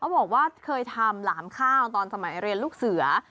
บอกว่าเคยทำหลามข้าวตอนสมัยเรียนลูกเสือ